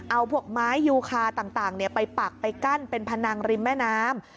เอาพวกไม้ยูคาต่างไปปักไปกั้นเป็นพนังริมแม่น้ำ